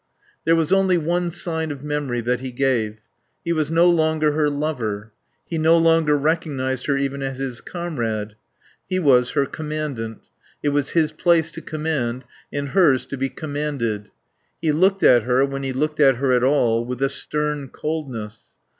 There was only one sign of memory that he gave. He was no longer her lover; he no longer recognised her even as his comrade. He was her commandant. It was his place to command, and hers to be commanded. He looked at her, when he looked at her at all, with a stern coldness.